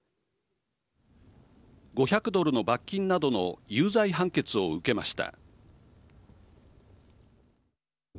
５００ドルの罰金などの有罪判決を受けました。